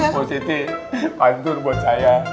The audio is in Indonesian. mbak siti hancur buat saya